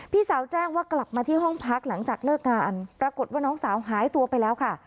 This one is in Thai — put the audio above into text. พี่สาวแจ้งว่ากลับมาที่ห้องพักหลังจากเลิกงานปรากฏว่าน้องสาวหายตัวไปแล้วค่ะ